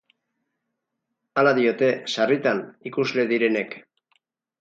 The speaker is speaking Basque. Hala diote, sarritan, ikusle direnek.